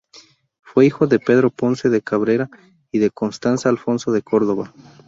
Fue hijo de Pedro Ponce de Cabrera y de Constanza Alfonso de Córdoba.